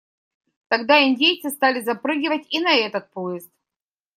Тогда индейцы стали запрыгивать и на этот поезд.